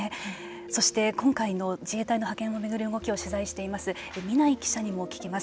そして今回の自衛隊の派遣を巡る動きを取材している南井記者にも聞きます。